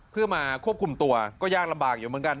เพื่อมาควบคุมตัวก็ยากลำบากอยู่เหมือนกัน